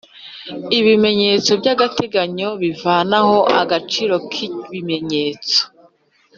Ibimenyetso by'agateganyo bivanaho agaciro k'ibimenyetso